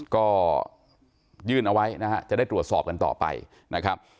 ก็ยื่นเอาไว้นะฮะจะได้ตรวจสอบกันต่อไปนะครับ